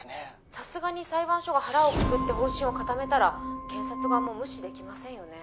さすがに裁判所が腹をくくって方針を固めたら検察側も無視できませんよね